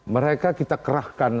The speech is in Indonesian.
mereka kita kerahkan